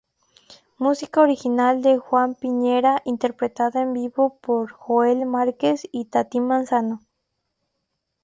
Música original de Juan Piñera, interpretada en vivo por Joel Márquez y Tati Manzano.